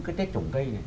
cái tết trồng cây này